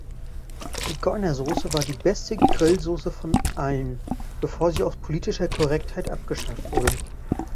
Zigeunersoße war die beste Grillsoße von allen, bevor sie aus politischer Korrektheit abgeschafft wurde.